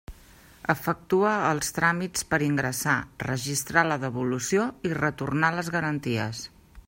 Efectua els tràmits per ingressar, registrar la devolució i retornar les garanties.